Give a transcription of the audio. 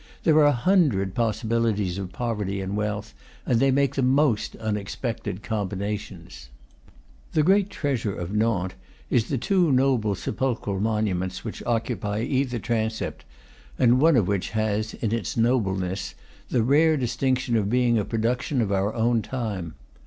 There are a hundred possibilities of poverty and wealth, and they make the most unexpected combinations. The great treasure of Nantes is the two noble se pulchral monuments which occupy either transept, and one of which has (in its nobleness) the rare distinction of being a production of our own time.